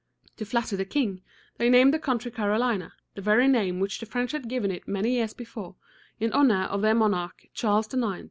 To flatter the king, they named the country Carolina, the very name which the French had given it many years before, in honor of their monarch, Charles IX.